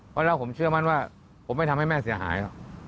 เพราะแล้วผมเชื่อมั่นว่าผมไม่ทำให้แม่เสียหายหรอก